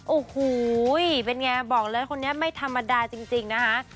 โอ้โหเป็นไงบอกเลยคนนี้ไม่ธรรมดาจริงนะคะ